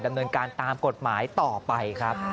ดำเนินการตามกฎหมายต่อไปครับ